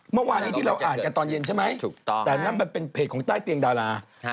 เมื่อวานนี้ที่เราอ่านกันตอนเย็นใช่ไหมถูกต้องแต่นั่นมันเป็นเพจของใต้เตียงดารา